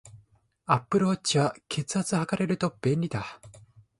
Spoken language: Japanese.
アップルウォッチは、血圧測れると便利だ